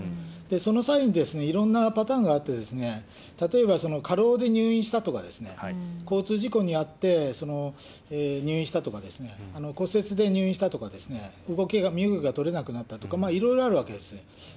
その際にいろんなパターンがあって、例えば、過労で入院したとか、交通事故に遭って入院したとかですね、骨折で入院したとかですね、身動きが取れなくなったとか、いろいろあるわけですよ。